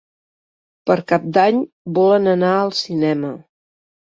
Per Cap d'Any volen anar al cinema.